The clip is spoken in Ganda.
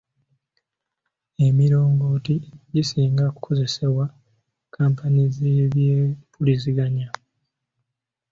Emirongooti gisinga kukozesebwa kkampuni z'ebyempuliziganya.